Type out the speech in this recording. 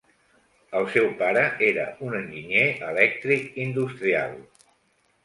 El seu pare era un enginyer elèctric industrial.